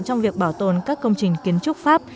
trong việc bảo tồn các công trình kiến trúc pháp